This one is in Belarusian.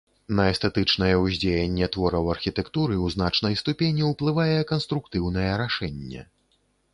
На эстэтычнае ўздзеянне твораў архітэктуры ў значнай ступені ўплывае канструктыўнае рашэнне.